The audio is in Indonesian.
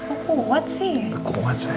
so kuat sih